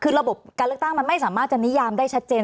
คือระบบการเลือกตั้งมันไม่สามารถจะนิยามได้ชัดเจน